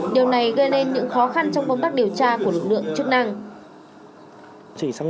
điều này gây nên những khó khăn trong phong tắc điều tra của lực lượng chức năng